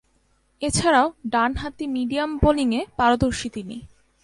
এছাড়াও, ডানহাতি মিডিয়াম বোলিংয়ে পারদর্শী তিনি।